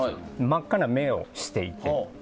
真っ赤な目をしていて。